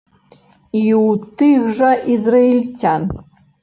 І ў тых жа ізраільцян.